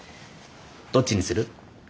どっちにする？